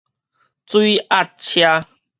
水鴨車